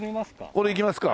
これいきますか。